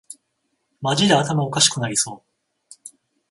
マジで頭おかしくなりそう